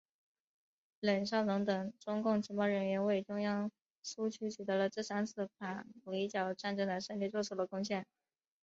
冷少农等中共情报人员为中央苏区取得这三次反围剿战争的胜利作出了贡献。